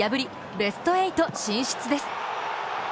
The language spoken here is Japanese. ベスト８進出です。